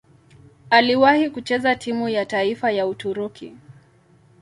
Aliwahi kucheza timu ya taifa ya Uturuki.